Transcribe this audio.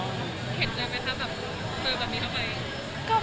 เข็ดเลยไหมคะแบบเกิดแบบนี้ทำไม